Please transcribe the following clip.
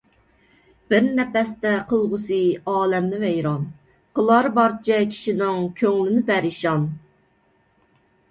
بىر نەپەستە قىلغۇسى ئالەمنى ۋەيران، قىلار بارچە كىشىنىڭ كۆڭلىن پەرىشان.